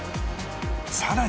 さらに